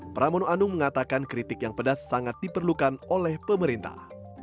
pramono anung mengatakan kritik yang pedas sangat diperlukan oleh pemerintah